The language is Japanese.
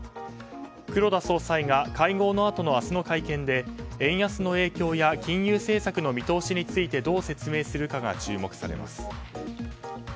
黒田総裁が会合のあとの明日の会見で円安の影響や金融政策の見通しについてどう説明するかが注目されます。